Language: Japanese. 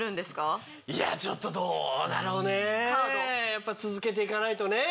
やっぱ続けていかないとねぇ。